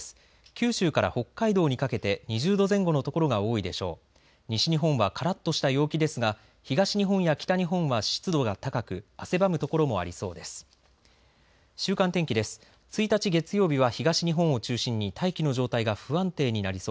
九州から北海道にかけて２０度前後の所が多いでしょう。